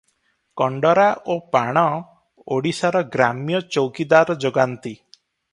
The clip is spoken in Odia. କଣ୍ଡରା ଓ ପାଣ ଓଡିଶାର ଗ୍ରାମ୍ୟ ଚୌକିଦାର ଯୋଗାନ୍ତି ।